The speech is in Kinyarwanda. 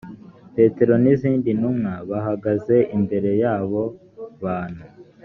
petero n’izindi ntumwa bahagaze imbere y’abo bantu